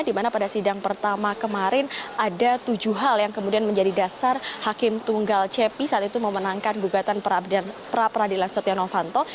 dimana pada sidang pertama kemarin ada tujuh hal yang kemudian menjadi dasar hakim tunggal cepi saat itu memenangkan gugatan pra peradilan setia novanto